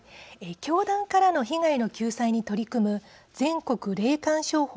教団からの被害の救済に取り組む全国霊感商法対策